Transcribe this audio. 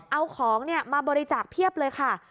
เอาของมาบริจาคเพียบเลยค่ะ